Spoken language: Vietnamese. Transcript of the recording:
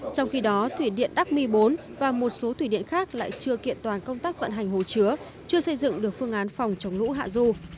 trong khi đó thủy điện đắc mi bốn và một số thủy điện khác lại chưa kiện toàn công tác vận hành hồ chứa chưa xây dựng được phương án phòng chống lũ hạ du